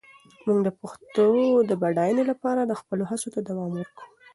موږ د پښتو د بډاینې لپاره خپلو هڅو ته دوام ورکوو.